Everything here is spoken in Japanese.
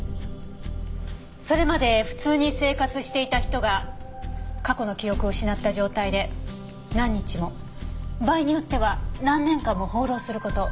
それまで普通に生活していた人が過去の記憶を失った状態で何日も場合によっては何年間も放浪する事。